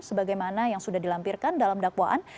sebagaimana yang sudah dilampirkan dalam dakwaan